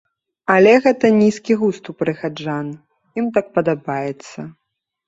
Але гэта нізкі густ у прыхаджан, ім так падабаецца.